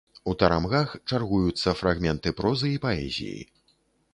У тарамгах чаргуюцца фрагменты прозы і паэзіі.